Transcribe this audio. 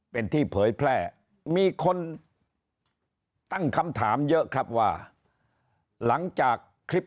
เป็นที่เผยแพร่มีคนตั้งคำถามเยอะครับว่าหลังจากคลิป